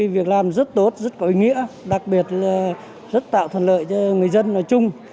việc làm rất tốt rất có ý nghĩa đặc biệt là rất tạo thuận lợi cho người dân nói chung